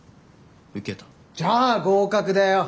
じゃあ合格だよ。